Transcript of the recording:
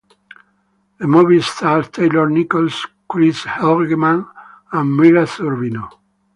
The movie stars Taylor Nichols, Chris Eigeman and Mira Sorvino.